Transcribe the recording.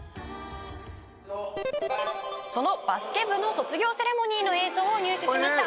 「そのバスケ部の卒業セレモニーの映像を入手しました」